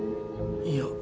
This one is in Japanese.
いや。